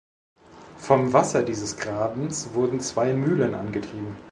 Vom Wasser dieses Grabens wurden zwei Mühlen angetrieben.